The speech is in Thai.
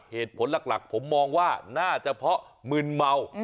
เหตุผลหลักผมมองว่าน่าจะเพราะมึนเมา